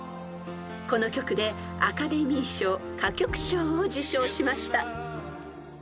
［この曲でアカデミー賞歌曲賞を受賞しました］